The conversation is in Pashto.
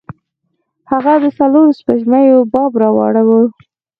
هغه د څلورو سپوږمیو باب راواړوه.